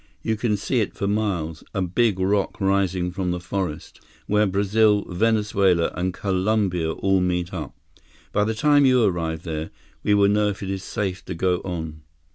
"You can see it for miles, a big rock rising from the forest, where Brazil, Venezuela, and Colombia all meet up. By the time you arrive there, we will know if it is safe to go on."